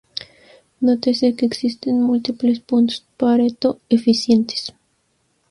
Nótese que existen múltiples puntos Pareto-eficientes.